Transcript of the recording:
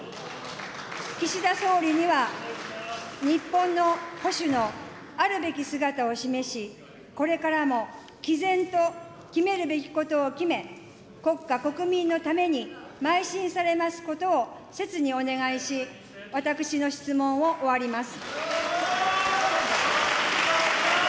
岸田総理には、日本の保守のあるべき姿を示し、これからもきぜんと決めるべきことを決め、国家、国民のためにまい進されますことを、切にお願いし、私の質問を終わります。